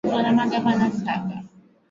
Mzee Abdullah ni mwenye uchangamfu.